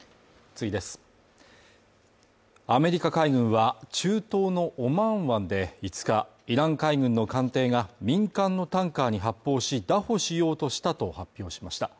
アメリカ海軍は中東のオマーン湾で５日イラン海軍の艦艇が民間のタンカーに発砲し拿捕しようとしたと発表しました。